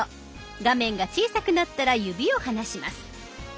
画面が小さくなったら指を離します。